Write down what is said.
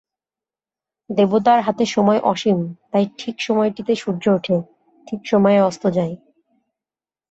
দেবতার হাতে সময় অসীম তাই ঠিক সময়টিতে সূর্য ওঠে, ঠিক সময়ে অস্ত যায়।